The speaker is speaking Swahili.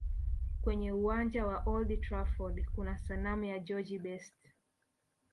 Kwenye uwanja wa old trafford kuna sanamu la george best